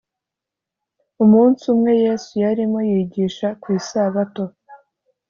umunsi umwe yesu yarimo yigisha ku isabato